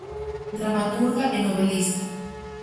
Dramaturga e novelista.